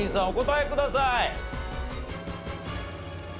お答えください。